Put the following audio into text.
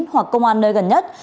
hoặc công an nơi gần nhất